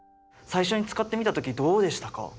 最初に使ってみた時どうでしたか？